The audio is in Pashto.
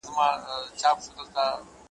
ته دوست پیدا که، دښمن پخپله پیدا کیږي `